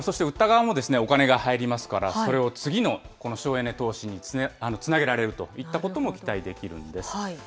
そして売った側もお金が入りますから、それを次のこの省エネ投資につなげられるといったことも期待できるんです。